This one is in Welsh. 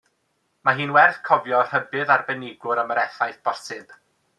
Mae hi'n werth cofio rhybudd arbenigwr am yr effaith bosib.